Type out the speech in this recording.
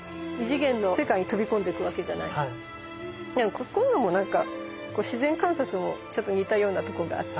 こういうのもなんか自然観察もちょっと似たようなとこがあって。